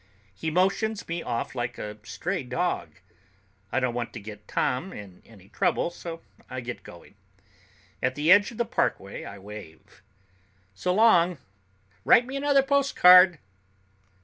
He motions me off like a stray dog. I don't want to get Tom in any trouble, so I get going. At the edge of the parkway I wave. "So long. Write me another postcard."